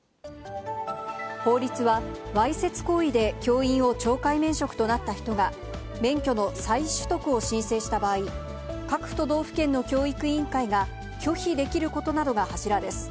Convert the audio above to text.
法律はわいせつ行為で教員を懲戒免職となった人が、免許の再取得を申請した場合、各都道府県の教育委員会が拒否できることなどが柱です。